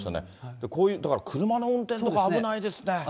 こういう、だから車の運転とか危ないですね。